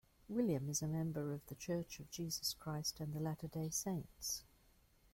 William is a member of The Church of Jesus Christ of Latter-day Saints.